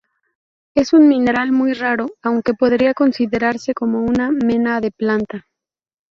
Es un mineral muy raro, aunque podría considerarse como una mena de plata.